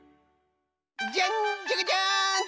ジャンジャカジャンと！